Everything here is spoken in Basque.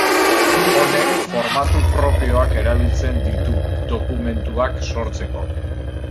Honek formatu propioak erabiltzen ditu dokumentuak sortzeko.